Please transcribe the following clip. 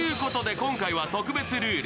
今回は特別ルール。